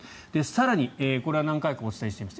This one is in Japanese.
更にこれは何回かお伝えしています